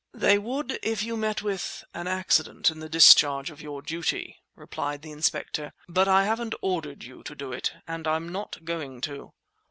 "They would if you met with—an accident, in the discharge of your duty," replied the inspector; "but I haven't ordered you to do it, and I'm not going to."